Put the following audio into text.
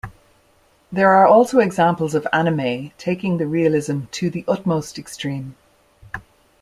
There are also examples of anime taking the realism to the utmost extreme.